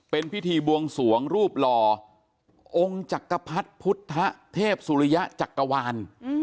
เป็นพิธีบวงสวงรูปหล่อองค์จักรพรรดิพุทธเทพสุริยะจักรวาล